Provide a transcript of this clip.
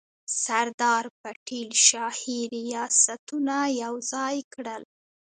سردار پټیل شاهي ریاستونه یوځای کړل.